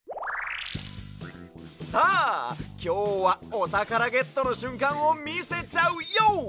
さあきょうはおたからゲットのしゅんかんをみせちゃうＹＯ！